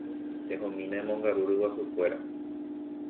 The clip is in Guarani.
Ehomína emongaru ryguasukuéra.